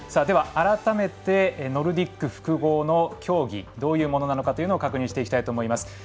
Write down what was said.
では、改めてノルディック複合の競技どういうものなのかを確認していきたいと思います。